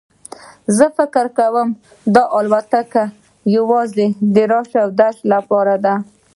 زه فکر کوم دا الوتکه یوازې راشه درشه لپاره ده.